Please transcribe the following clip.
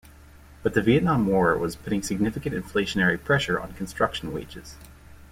But the Vietnam War was putting significant inflationary pressure on construction wages.